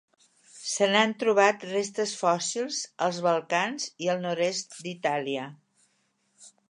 Se n'han trobat restes fòssils als Balcans i el nord-est d'Itàlia.